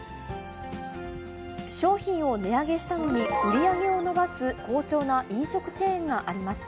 商品を値上げしたのに、売り上げを伸ばす好調な飲食チェーンがあります。